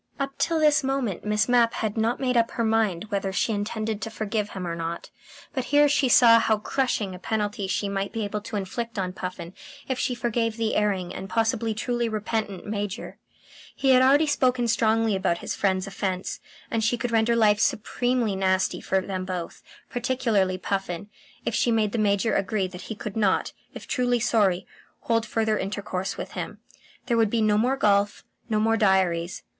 Up till this moment Miss Mapp had not made up her mind whether she intended to forgive him or not; but here she saw how crushing a penalty she might be able to inflict on Puffin if she forgave the erring and possibly truly repentant Major. He had already spoken strongly about his friend's offence, and she could render life supremely nasty for them both particularly Puffin if she made the Major agree that he could not, if truly sorry, hold further intercourse with him. There would be no more golf, no more diaries.